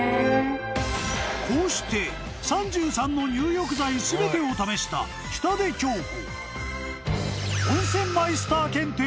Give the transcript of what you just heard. ［こうして３３の入浴剤全てを試した北出恭子］